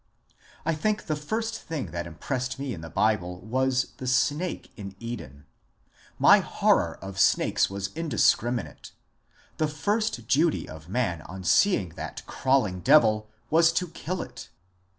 I think the first thing that impressed me in the Bible was the snake in Eden. My horror of snakes was indiscriminate ; the first duty of man on seeing that crawling devil was to kill it.